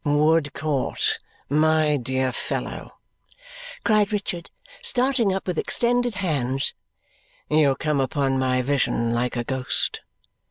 "Woodcourt, my dear fellow," cried Richard, starting up with extended hands, "you come upon my vision like a ghost."